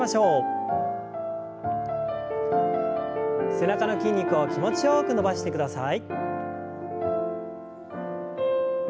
背中の筋肉を気持ちよく伸ばしてください。